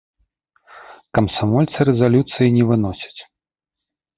Камсамольцы рэзалюцыі не выносяць.